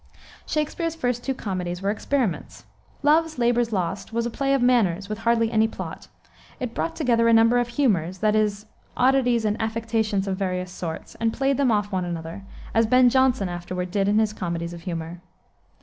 Shakspere's first two comedies were experiments. Love's Labour's Lost was a play of manners, with hardly any plot. It brought together a number of humors, that is, oddities and affectations of various sorts, and played them off on one another, as Ben Jonson afterward did in his comedies of humor.